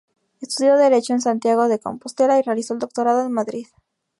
Estudió Derecho, en Santiago de Compostela y realizó el doctorado en Madrid.